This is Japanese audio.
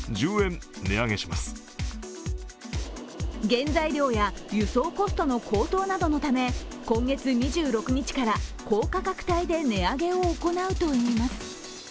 原材料や、輸送コストの高騰などのため今月２６日から高価格帯で値上げを行うといいます。